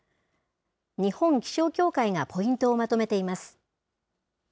日本気象協会がポイントをまとめています。